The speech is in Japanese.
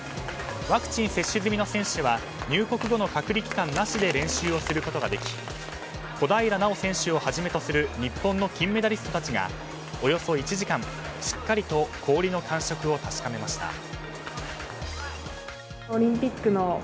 ワクチン接種済みの選手は入国後の隔離期間なしで練習をすることができ小平奈緒選手をはじめとする日本の金メダリストたちがおよそ１時間しっかりと氷の感触を確かめました。